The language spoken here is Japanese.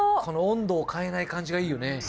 この温度を変えない感じがいいよね。